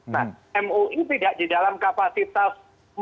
nah mui tidak di dalam kapasitas